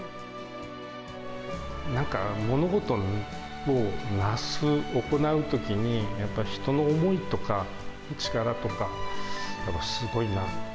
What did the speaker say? なんか物事をなす、行うときに、やっぱ人の思いとか力とか、やっぱ、すごいなって。